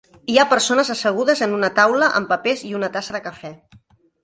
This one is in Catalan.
Hi ha persones assegudes en una taula amb papers i una tassa de cafè.